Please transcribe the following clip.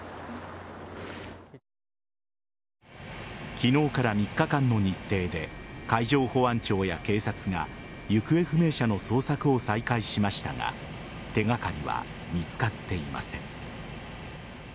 昨日から３日間の日程で海上保安庁や警察が行方不明者の捜索を再開しましたが手がかりは見つかっていません。